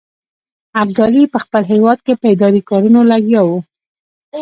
ابدالي په خپل هیواد کې په اداري کارونو لګیا وو.